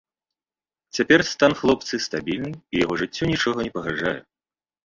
Цяпер стан хлопцы стабільны, і яго жыццю нічога не пагражае.